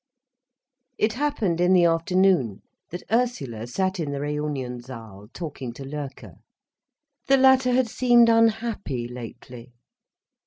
It happened in the afternoon that Ursula sat in the Reunionsaal talking to Loerke. The latter had seemed unhappy lately.